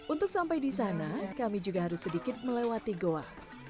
untuk sampai di sana kami juga harus sedikit melewati goa